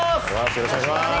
よろしくお願いします。